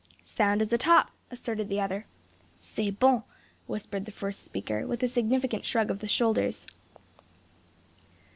"Sound as a top!" asserted the other. "C'est bon!" whispered the first speaker, with a significant shrug of the shoulders.